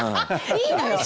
いいのよ。